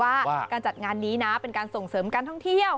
ว่าการจัดงานนี้นะเป็นการส่งเสริมการท่องเที่ยว